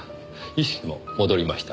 意識も戻りました。